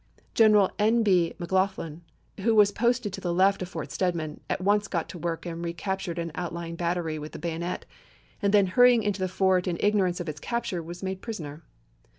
General N. B. McLaughlen, who was posted to the left of Fort Stedman, at once got to work and recaptured an outlying battery with the bayonet, and then hurrying into the fort in igno rance of its capture was made prisoner.